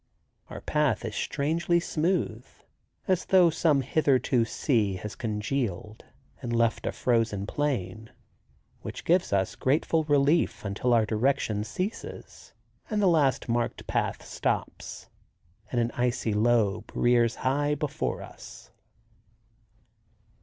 Our path is strangely smooth, as though some hitherto sea had congealed and left a frozen plain, which gives us grateful relief until our direction ceases and the last marked path stops, and an icy lobe rears high before us.